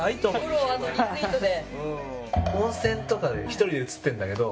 温泉とかで１人で写ってるんだけど。